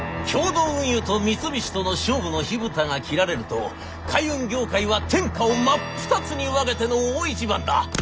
共同運輸と三菱との勝負の火蓋が切られると海運業界は天下を真っ二つに分けての大一番だ！